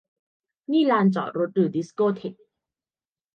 นี่ลานจอดรถหรือดิสโก้เธค